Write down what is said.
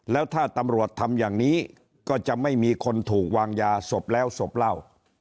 แล้วถ้าตำรวจทำอย่างนี้ก็จะไม่มีคนถูกวางยาศพแล้วศพเล่า